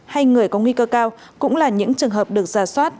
hay người có nguy cơ cao cũng là những trường hợp được ra soát